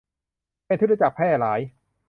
เป็นที่รู้จักแพร่หลาย